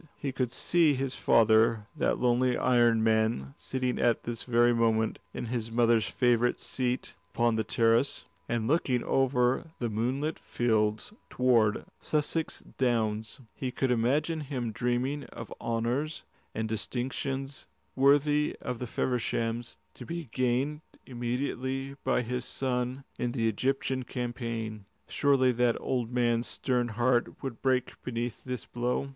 He could see his father, that lonely iron man, sitting at this very moment in his mother's favourite seat upon the terrace, and looking over the moonlit fields toward the Sussex Downs; he could imagine him dreaming of honours and distinctions worthy of the Fevershams to be gained immediately by his son in the Egyptian campaign. Surely that old man's stern heart would break beneath this blow.